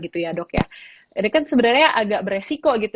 ini kan sebenarnya agak beresiko gitu